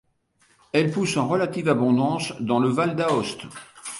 Elle pousse en relative abondance dans le Val d'Aoste.